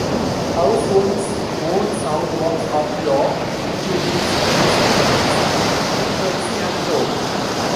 Hausswolff's own sound works are pure, intuitive studies of electricity, frequency and tone.